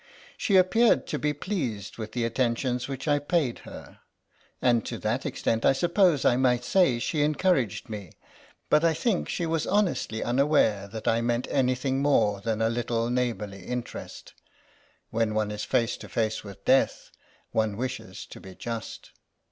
She appeared to be pleased with the attentions which I paid her, THE LOST SANJAK 15 and to that extent I suppose I might say she encouraged me, but I think she was honestly unaware that I meant anything more than a little neighbourly interest. When one is face to face with Death one wishes to be just."